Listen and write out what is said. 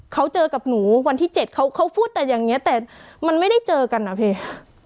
เขาเจอกับหนูวันที่๗เขาพูดแต่อย่างนี้แต่มันไม่ได้เจอกันนะพี่